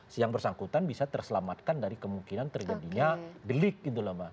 si yang bersangkutan bisa terselamatkan dari kemungkinan terjadinya delik gitu loh mbak